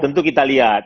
tentu kita lihat